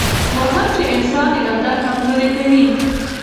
وهم د انسان اراده کمزورې کوي.